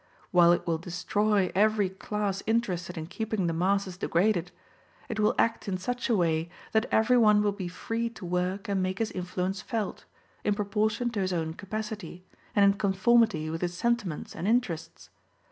While it will destroy every class interested in keeping the masses degraded, it will act in such a way that every one will be free to work and make his influence felt, in proportion to his own capacity, and in conformity with his sentiments and interests.